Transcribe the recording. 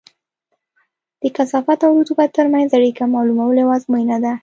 د کثافت او رطوبت ترمنځ اړیکه معلومول یوه ازموینه ده